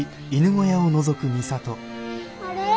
あれ？